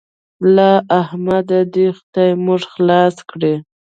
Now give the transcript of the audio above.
له احمده دې خدای موږ خلاص کړي.